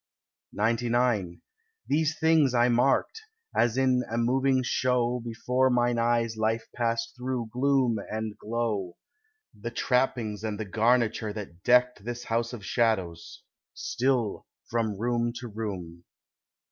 XCIX These things I marked, as in a moving show Before mine eyes life passed thro' gloom and glow— The trappings and the garniture that decked This house of shadows still from room to room.